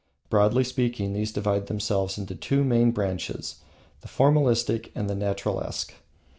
Broadly speaking, these divide themselves into two main branches, the Formalistic and the Naturalesque.